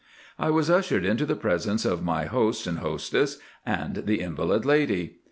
I was ushered into the presence of my host and hostess and the invalid lady.